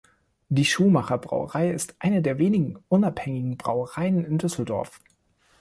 Die Schumacher-Brauerei ist eine der wenigen unabhängigen Brauereien in Düsseldorf.